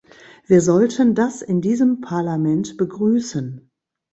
Wir sollten das in diesem Parlament begrüßen.